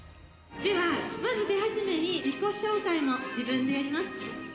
手始めに自己紹介も自分でやります。